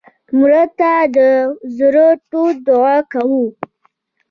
مړه ته د زړه تود دعا کوو